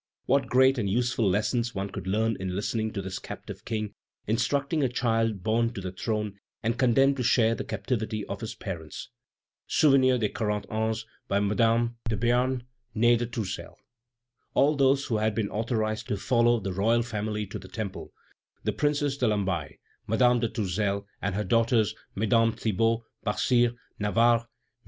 What great and useful lessons one could learn in listening to this captive king instructing a child born to the throne and condemned to share the captivity of his parents." (Souvenirs de Quarante Ans, by Madame de Béarn, née de Tourzel.) All those who had been authorized to follow the royal family to the Temple the Princess de Lamballe, Madame de Tourzel and her daughter, Mesdames Thibaud, Basire, Navarre, MM.